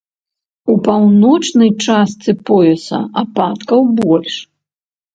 У паўночнай частцы пояса ападкаў больш.